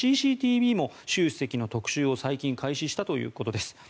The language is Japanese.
ＣＣＴＶも習主席の特集を最近、開始したということです。